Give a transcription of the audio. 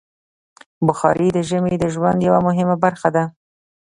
بخاري د ژمي د ژوند یوه مهمه برخه ده.